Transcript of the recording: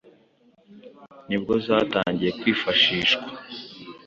ni bwo zatangiye kwifashishwa